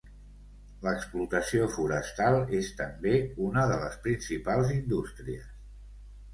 L'explotació forestal és també una de les principals indústries.